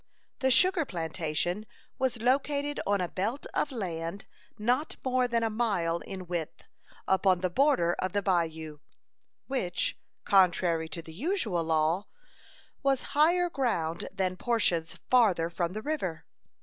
The sugar plantation was located on a belt of land not more than a mile in width, upon the border of the bayou, which, contrary to the usual law, was higher ground than portions farther from the river.